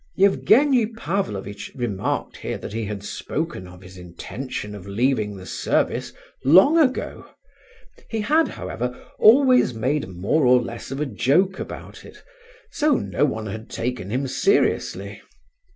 Evgenie Pavlovitch remarked here that he had spoken of his intention of leaving the service long ago. He had, however, always made more or less of a joke about it, so no one had taken him seriously.